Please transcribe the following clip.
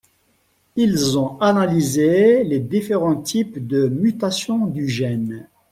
Ils ont analysé les différents types de mutations du gène.